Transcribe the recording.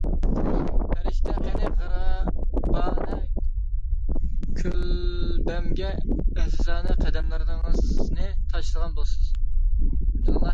-پەرىشتە قېنى غېرىبانە كۆلبەمگە ئەزىزانە قەدەملىرىڭىزنى تاشلىغان بولسىڭىز.